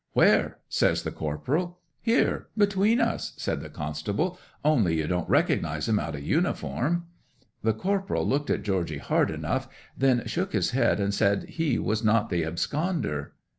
'"Where?" says the corporal. '"Here, between us," said the constable. "Only you don't recognize him out o' uniform." 'The corporal looked at Georgy hard enough; then shook his head and said he was not the absconder.